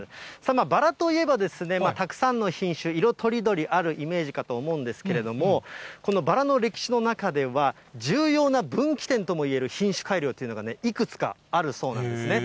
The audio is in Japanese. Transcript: バラといえば、たくさんの品種、色とりどりあるイメージかと思うんですけれども、このバラの歴史の中では、重要な分岐点ともいえる品種改良というのがいくつかあるそうなんですね。